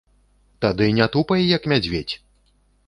Тады не тупай, як мядзведзь!